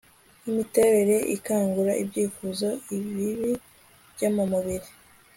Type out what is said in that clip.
imiterere ikangura ibyifuzo bibi byo mu mubiri